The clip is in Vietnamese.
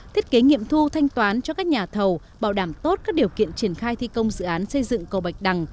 thiết kế nghiệm thu thanh toán cho các nhà thầu bảo đảm tốt các điều kiện triển khai thi công dự án xây dựng cầu bạch đằng